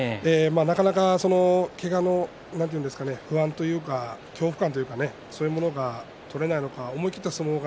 けがの不安というか恐怖感というか、そういうものが思い切った相撲が